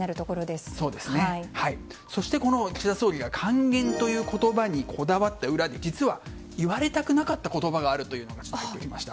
そして、この岸田総理が還元という言葉にこだわった裏で実は、言われたくなかった言葉があるというのでまとめてみました。